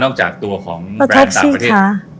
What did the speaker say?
จากตัวของแบรนด์ต่างประเทศ